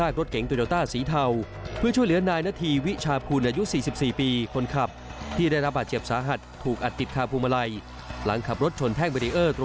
แกเต็มแล้วหรือ